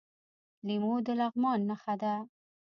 لیمو د لغمان نښه ده.